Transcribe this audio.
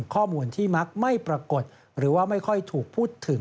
ข้อมูลที่มักไม่ปรากฏหรือว่าไม่ค่อยถูกพูดถึง